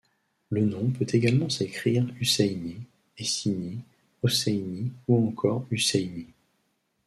Le nom peut également s'écrire Hussaini, Hecini, Hosseini ou encore Husayni.